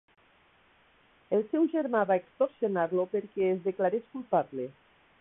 El seu germà va extorsionar-lo perquè es declarés culpable.